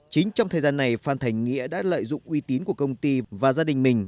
chính trong thời gian này phan thành nghĩa đã lợi dụng uy tín của công ty và gia đình mình